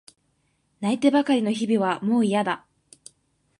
泣いてばかりの日々はもういやだ。